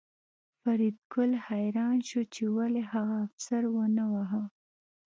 فریدګل حیران شو چې ولې هغه افسر ونه واهه